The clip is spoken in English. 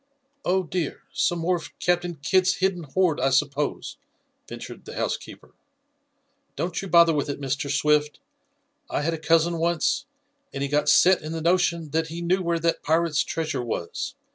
"Oh, dear! Some more of Captain Kidd's hidden hoard, I suppose?" ventured the housekeeper. "Don't you bother with it, Mr. Swift. I had a cousin once, and he got set in the notion that he knew where that pirate's treasure was.